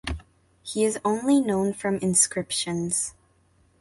He is only known from inscriptions.